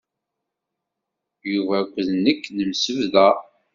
Yuba akked nekk nemsebḍa.